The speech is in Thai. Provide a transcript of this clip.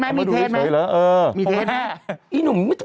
ถูกต้องถูกต้อง